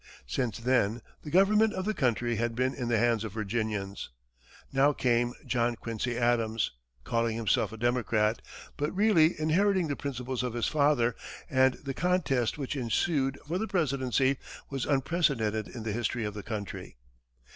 Since then, the government of the country had been in the hands of Virginians. Now came John Quincy Adams, calling himself a Democrat, but really inheriting the principles of his father, and the contest which ensued for the presidency was unprecedented in the history of the country.